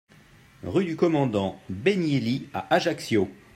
Rue du Commandant Benielli à Ajaccio